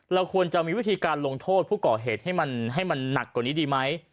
เราควรจะมีวิธีการลงโทษผู้ก่อเหตุให้มันหนักกว่านี้ดีไหม